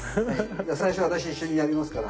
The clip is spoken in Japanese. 最初私一緒にやりますから。